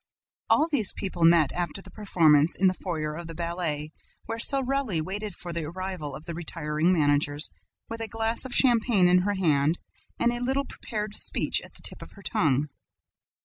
All these people met, after the performance, in the foyer of the ballet, where Sorelli waited for the arrival of the retiring managers with a glass of champagne in her hand and a little prepared speech at the tip of her tongue.